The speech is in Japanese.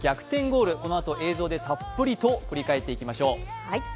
ゴール、このあと映像でたっぷりと振り返っていきましょう。